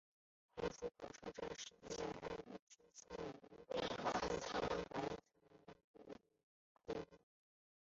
盐釜口车站是位于爱知县名古屋市天白区盐釜口一丁目。